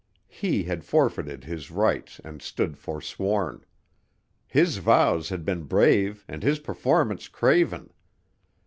He had forfeited his rights and stood foresworn. His vows had been brave and his performance craven.